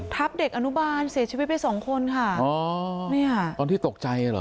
ทับเด็กอนุบาลเสียชีวิตไปสองคนค่ะอ๋อเนี่ยตอนที่ตกใจเหรอ